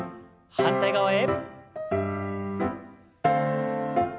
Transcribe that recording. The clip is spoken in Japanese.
反対側へ。